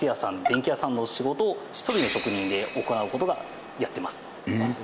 電気屋さんの仕事を１人の職人で行うことがやってます